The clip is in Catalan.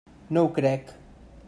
No ho crec.